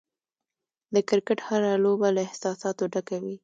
د کرکټ هره لوبه له احساساتو ډکه وي.